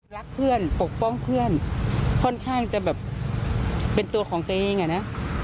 รักเพื่อนปกป้องเพื่อนค่อนข้างจะแบบเป็นตัวของตัวเองอะนะ